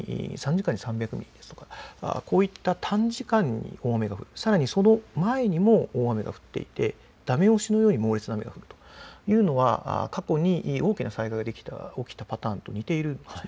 ３時間に３００ミリですとかこういった短時間に大雨が降りさらに、その前にも大雨が降っていてだめ押しのように猛烈な雨が降ったというのは過去に大きな災害が起きたパターンと似ているんです。